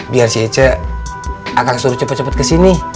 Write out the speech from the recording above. biar si ece akang suruh cepet cepet kesini